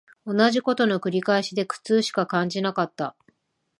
同じ事の繰り返しで苦痛しか感じなかった